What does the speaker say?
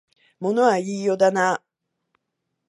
物は言いようだなあ